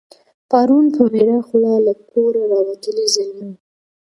پرون په ویړه خوله له کوره راوتلی زلمی